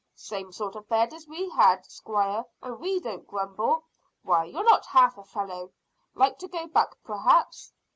"Same sort of bed as we had, squire, and we don't grumble. Why, you're not half a fellow. Like to go back perhaps?"